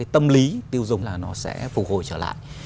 tâm lý tiêu dùng là nó sẽ phục hồi trở lại